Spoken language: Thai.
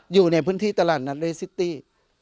อยู่ในพื้นที่ตลาดนัตเตอร์เรย์ซิตตี้